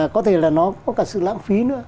có thể là nó có cả sự lãng phí nữa